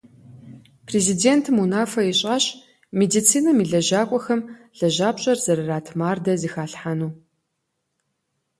Президентым унафэ ищӀащ медицинэм и лэжьакӀуэхэм лэжьапщӀэр зэрырат мардэ зэхалъхьэну.